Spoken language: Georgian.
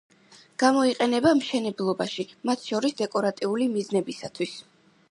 გამოიყენება მშენებლობაში, მათ შორის დეკორატიული მიზნებისათვის.